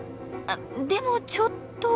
でもちょっと。